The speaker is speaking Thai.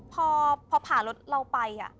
พอผ่ารถเราไป